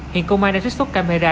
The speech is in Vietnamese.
hiện công an đã trích phút camera